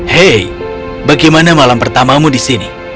hei bagaimana malam pertamamu di sini